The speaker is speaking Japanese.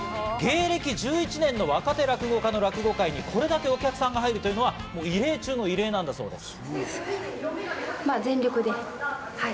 歴１１年の若手落語家の落語会にこれだけお客さんが入るというのは異例中の異例なんだそうです。